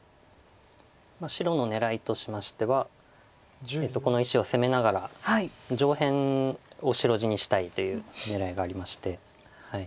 白の狙いとしましてはこの石を攻めながら上辺を白地にしたいという狙いがありまして。